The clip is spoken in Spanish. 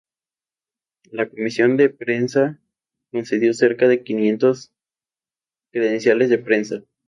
La comisión de prensa concedió cerca de quinientos credenciales de prensa.